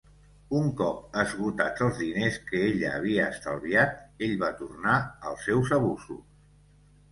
Un cop esgotats els diners que ella havia estalviat, ell va tornar als seus abusos.